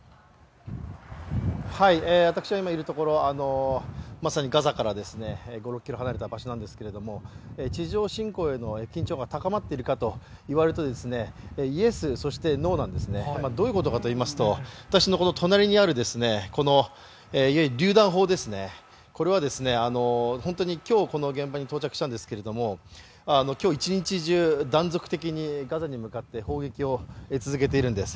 私が今いるところはまさにガザから５６ｋｍ離れた場所なんですけれども地上侵攻への緊張感が高まっているかと言われるとイエス、そしてノーなんですね、どういうことかといいますと、私の隣にある、このりゅう弾砲、今日本当に現場に到着したんですけれども、今日１日中、断続的にガザに向かって攻撃を続けているんです。